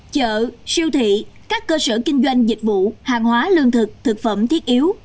chợ siêu thị các cơ sở kinh doanh dịch vụ hàng hóa lương thực thực phẩm thiết yếu